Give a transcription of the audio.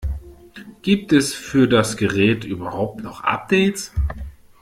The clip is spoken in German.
Gibt es für das Gerät überhaupt noch Updates?